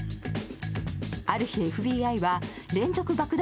ある日、ＦＢＩは連続爆弾